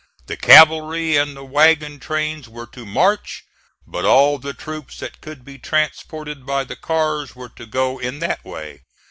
The cavalry and the wagon trains were to march, but all the troops that could be transported by the cars were to go in that way.